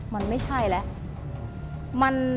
มันไม่ใช่แล้ว